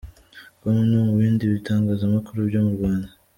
com no mu bindi bitangazamakuru byo mu Rwanda.